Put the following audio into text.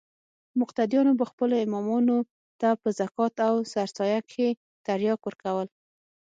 مقتديانو به خپلو امامانو ته په زکات او سرسايه کښې ترياک ورکول.